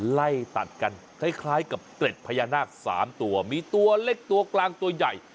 ไล่ตัดกันคล้ายกับเกร็ดพญานาค๓ตัวมีตัวเล็กตัวกลางตัวใหญ่